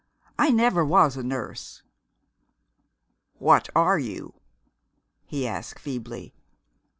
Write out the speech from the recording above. I never was a nurse." "What are you?" he asked feebly.